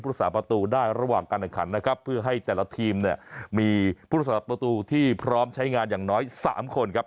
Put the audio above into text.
พุทธศาสตร์ประตูได้ระหว่างการดังขันนะครับเพื่อให้แต่ละทีมมีพุทธศาสตร์ประตูที่พร้อมใช้งานอย่างน้อย๓คนครับ